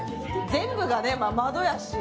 全部が窓やし。